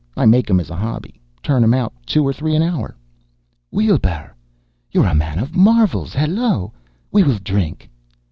I make 'em as a hobby turn out two or three an hour." "Weelbrrr! You're a man of marvels! Hello! We will drink!"